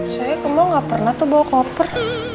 saya ke mall gak pernah tuh bawa koper